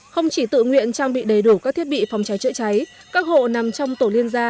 không chỉ tự nguyện trang bị đầy đủ các thiết bị phòng cháy chữa cháy các hộ nằm trong tổ liên gia